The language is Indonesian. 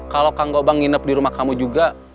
kalau kang gobang nginep di rumah kamu juga